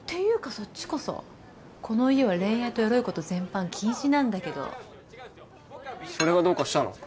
そっちこそこの家は恋愛とエロいこと全般禁止なんだけどそれがどうかしたの？